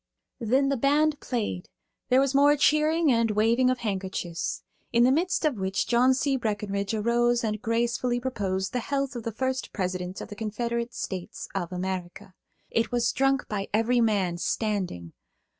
Then the band played; there was more cheering and waving of handkerchiefs, in the midst of which John C. Breckenridge arose and gracefully proposed the health of the first President of the Confederate States of America. It was drunk by every man, standing.